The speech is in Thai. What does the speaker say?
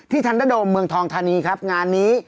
ทันดมเมืองทองธานีครับงานนี้